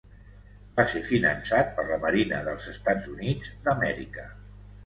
Va ser finançat per la Marina dels Estats Units d'Amèrica.